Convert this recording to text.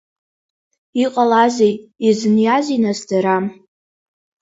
Иҟалазеи, изыниазеи нас дара?